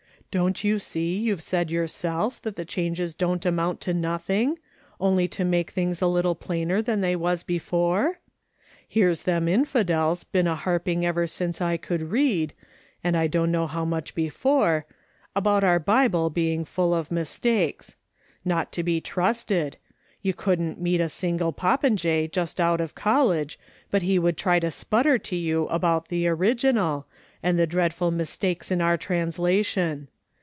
Don't you see you've said yourself that the changes don't amount to nothing, only to make things a little plainer than they was before ? Here's them infidels been a harping ever since I could read, and I dunno how much before, about our Bible being full of mistakes ; not to be trusted ; you couldn't meet a little popinjay just out of college but he would try to sputter to you about the * original,' and the dreadful mistakes in our translation.